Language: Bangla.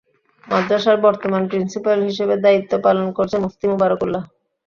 মাদ্রাসার বর্তমান প্রিন্সিপাল হিসেবে দায়িত্ব পালন করছেন মুফতী মুবারক উল্লাহ।